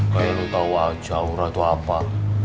kayak lu tau aja aura tuh apa